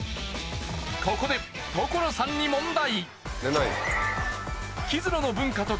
ここで所さんに問題。